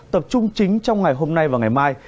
tập trung chính trong ngày hôm nay và ngày mai